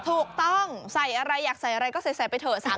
ถูกต้องใส่อะไรอยากใส่อะไรก็ใส่ไปเถอะ